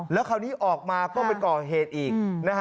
แล้วคราวนี้ออกมาก็ไปก่อเหตุอีก